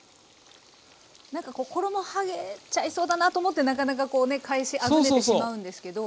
何かこう衣はげちゃいそうだなと思ってなかなかこうね返しあぐねてしまうんですけど。